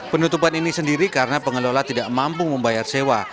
penutupan ini sendiri karena pengelola tidak mampu membayar sewa